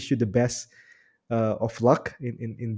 semoga berjaya di perjalanan ini